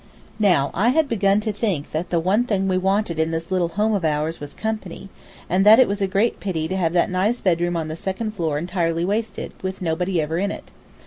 Now I had begun to think that the one thing we wanted in this little home of ours was company, and that it was a great pity to have that nice bedroom on the second floor entirely wasted, with nobody ever in it.